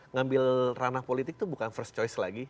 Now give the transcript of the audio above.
ngambil ranah politik itu bukan first choice lagi